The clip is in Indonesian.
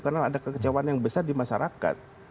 karena ada kekecewaan yang besar di masyarakat